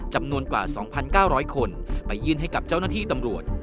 จำนวนกว่า๒๙๐๐คนไปยื่นให้กับเจ้าหน้าที่ตำรวจ